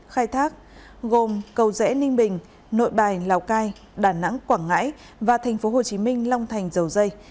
khai thác gồm cầu dễ ninh bình nội bài lào cai đà nẵng quảng ngãi và tp hcm long thành dầu dây